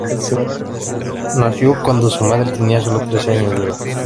Nació cuando su madre tenía solo trece años de edad.